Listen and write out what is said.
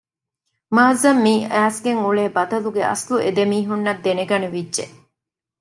މާޒްއަށް މި އައިސްގެން އުޅޭ ބަދަލުގެ އަސްލު އެދެމީހުންނަށް ދެނެގަނެވިއްޖެ